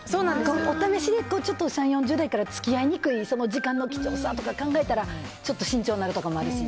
お試しで３０４０代から付き合いにくい時間の貴重さとかを考えたらちょっと慎重なるところもあるし。